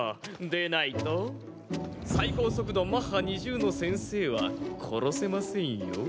でないと最高速度マッハ２０の先生は殺せませんよ。